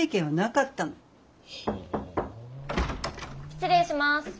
失礼します。